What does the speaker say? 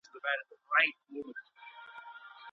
په قلم خط لیکل د تناسب او توازن د درک سبب ګرځي.